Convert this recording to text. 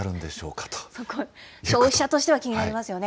そこ、消費者としては気になりますよね。